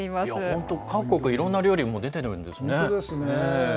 本当に、各国でいろんな料理出ているんですね。